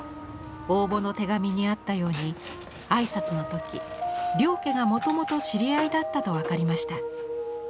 応募の手紙にあったように挨拶の時両家がもともと知り合いだったと分かりました。